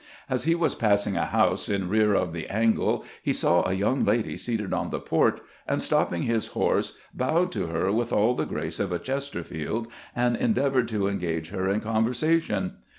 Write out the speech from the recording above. As he was passing a house in rear of the " angle " he saw a young lady seated on the porch, and, stopping his horse, bowed to her with all the grace of a Chesterfield, and endeavored to engage her in conversation.